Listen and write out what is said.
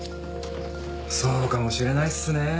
そうかもしれないっすねぇ。